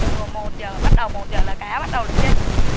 từ một giờ bắt đầu một giờ là cá bắt đầu chết